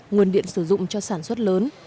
nguồn điện sử dụng cho sản xuất lớn